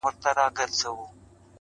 دا چي دي شعرونه د زړه جيب كي وړي!!